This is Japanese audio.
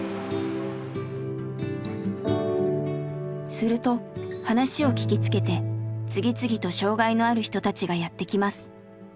すると話を聞きつけて次々と障害のある人たちがやって来ます。